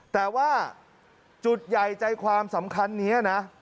แต่ว่าจุดใหญ่ใจความสำคัญนี้นะ